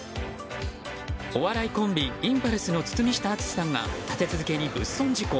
お笑いコンビインパルスの堤下敦さんが立て続けに物損事故。